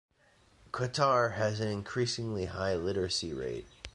Qatar has an increasingly high literacy rate.